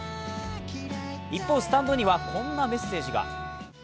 一方、スタンドにはこてメッセージが。